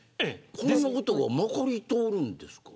こんなことがまかり通るんですか。